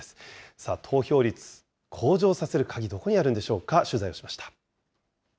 さあ、投票率向上させる鍵、どこにあるんでしょうか。